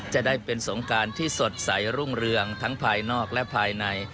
จะได้เป็นสงการที่สดใสรุ่งเรืองทั้งภายนอกและภายใน